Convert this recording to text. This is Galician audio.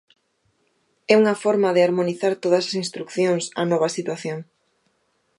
É unha forma de harmonizar todas as instrucións á nova situación.